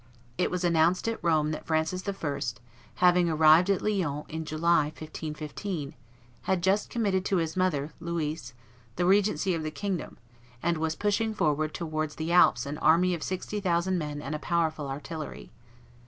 It was announced at Rome that Francis I., having arrived at Lyons in July, 1515, had just committed to his mother, Louise, the regency of the kingdom, and was pushing forward towards the Alps an army of sixty thousand men and a powerful artillery.